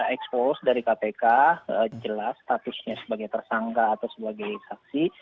expose dari kpk jelas statusnya sebagai tersangka atau sebagai saksi